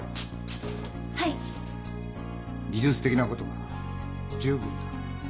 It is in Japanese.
技術的なことは十分だ。